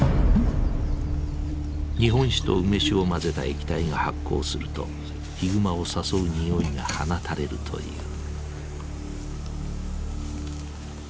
日本酒と梅酒を混ぜた液体が発酵するとヒグマを誘う匂いが放たれるという。